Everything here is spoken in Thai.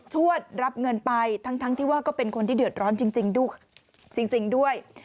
ชวดรับเงินไปทั้งที่ว่าก็เป็นคนที่เดือดร้อนจริงด้วย